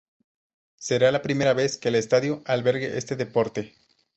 Será la primera vez que el estadio albergue este deporte.